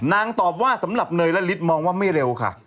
ตอบว่าสำหรับเนยและฤทธิ์มองว่าไม่เร็วค่ะ